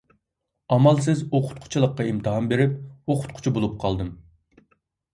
ئامالسىز ئوقۇتقۇچىلىققا ئىمتىھان بېرىپ، ئوقۇتقۇچى بولۇپ قالدىم.